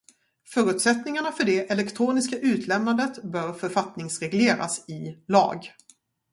Förutsättningarna för det elektroniska utlämnandet bör författningsregleras i lag.